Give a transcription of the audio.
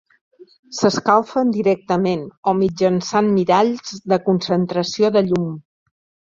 S'escalfen directament o mitjançant miralls de concentració de llum.